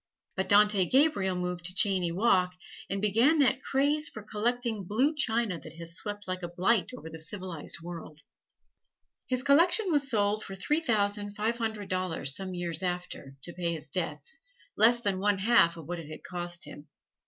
But Dante Gabriel moved to Cheyne Walk, and began that craze for collecting blue china that has swept like a blight over the civilized world. His collection was sold for three thousand five hundred dollars some years after to pay his debts less than one half of what it had cost him.